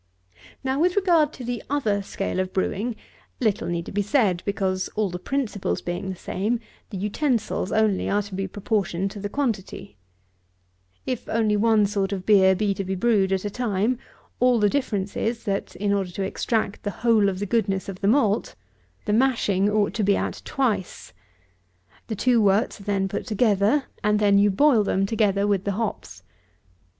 58. Now with regard to the other scale of brewing, little need be said; because, all the principles being the same, the utensils only are to be proportioned to the quantity. If only one sort of beer be to be brewed at a time, all the difference is, that, in order to extract the whole of the goodness of the malt, the mashing ought to be at twice. The two worts are then put together, and then you boil them together with the hops.